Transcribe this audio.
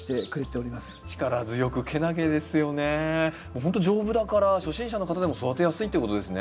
ほんと丈夫だから初心者の方でも育てやすいってことですね。